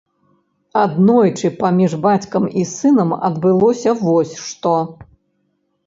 Аднойчы паміж бацькам і сынам адбылося вось што.